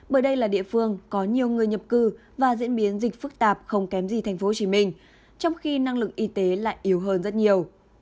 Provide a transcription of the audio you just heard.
bởi đây là địa phương có nhiều người nhập cư và diễn biến dịch phức tạp không kém gì thành phố hồ chí minh trong khi năng lực y tế lại yếu hơn rất nhiều